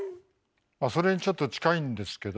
それにちょっと近いんですけど。